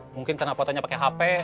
mungkin karena fotonya pakai hp